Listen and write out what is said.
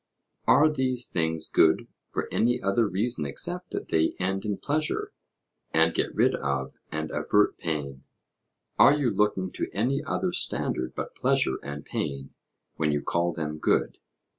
'Are these things good for any other reason except that they end in pleasure, and get rid of and avert pain? Are you looking to any other standard but pleasure and pain when you call them good?'